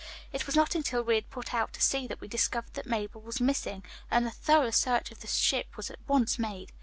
It was not until we had put out to sea that we discovered that Mabel was missing, and a thorough search of the ship was at once made.